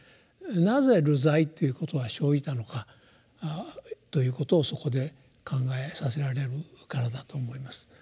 なぜ流罪ということが生じたのかということをそこで考えさせられるからだと思います。